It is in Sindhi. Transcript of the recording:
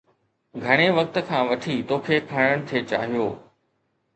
گهڻي وقت کان وٺي توکي کڻڻ ٿي چاهيو.